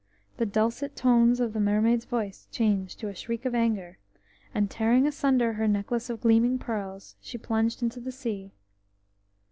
The dulcet tones of the mermaid's voice changed to a shriek of anger, and tearing asunder her necklace of gleaming pearls, she plunged into the sea.